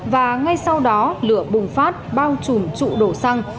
và ngay sau đó lửa bùng phát bao trùm trụ đổ xăng